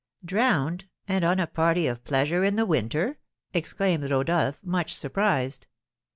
"Drowned, and on a party of pleasure in the winter?" exclaimed Rodolph, much surprised.